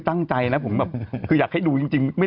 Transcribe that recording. ตอนนี้ผมพูดว่าวันนี้